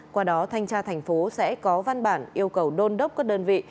qua đó thanh tra thành phố sẽ có văn bản yêu cầu đôn đốc các đơn vị